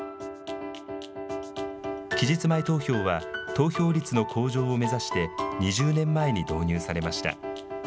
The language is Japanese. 期日前投票は投票率の向上を目指して２０年前に導入されました。